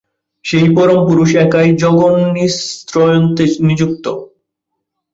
সেই পরম পুরুষ একাই জগন্নিয়ন্তৃত্বে নিযুক্ত।